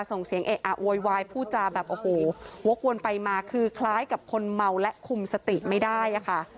ส่งเสียงเอะอะโวยวายพูดจาแบบโอ้โหวกวนไปมาคือคล้ายกับคนเมาและคุมสติไม่ได้อะค่ะ